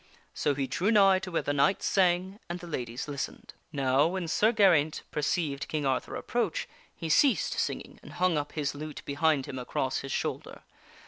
So he drew nigh to where the knight sang and the ladies listened. Now when Sir Geraint perceived King Arthur approach, he ceased singing and hung up his lute behind him across his shoulder.